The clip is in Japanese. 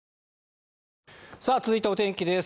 続いてはお天気です。